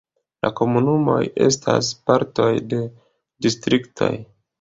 Komunumoj estas partoj de distriktoj.